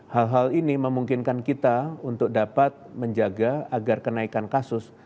hal hal ini memungkinkan kita untuk dapat menjaga agar kenaikan kasus